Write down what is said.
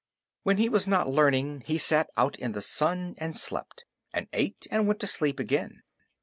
When he was not learning he sat out in the sun and slept, and ate and went to sleep again.